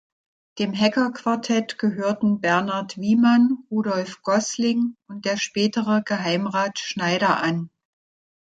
Dem Hecker-Quartett gehörten Bernard Wieman, Rudolf Gosling und der spätere Geheimrat Schneider an.